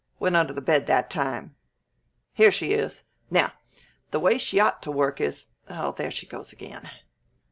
Went under the bed that time. Here she is! Now, the way she ought to work is there she goes again!"